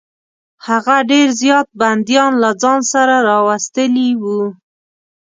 هغه ډېر زیات بندیان له ځان سره راوستلي وه.